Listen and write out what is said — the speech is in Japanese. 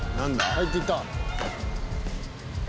入っていった。